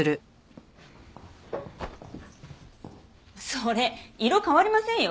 それ色変わりませんよ。